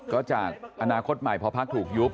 ก็จากอนาคตใหม่พอพักถูกยุบ